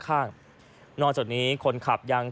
นอกจากนี้คนขับยังต้องสังเกตถึงช่องทางซ้ายมือด้วย